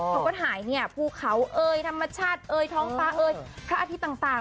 เขาก็ถ่ายผู้เขาธรรมชาติท้องฟ้าค่าอาทิตย์ต่าง